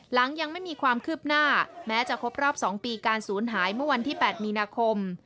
หลังยังไม่มีความคืบหน้าแม้จะครบรอบ๒ปีการศูนย์หายเมื่อวันที่๘มีนาคม